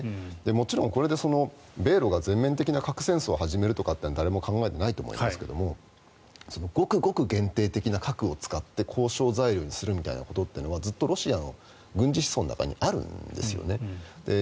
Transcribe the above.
もちろんこれで米ロが全面的な核戦争を始めるとかって誰も考えていないと思いますけどごくごく限定的な核を使って交渉材料にするみたいなことはずっとロシアの軍事思想の中にあるんですよね。